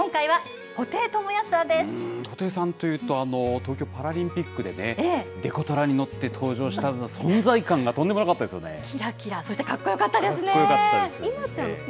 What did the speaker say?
布袋さんというと、東京パラリンピックでね、デコトラに乗って登場した、存在感がとんでもなきらきら、そしてかっこよかかっこよかったです。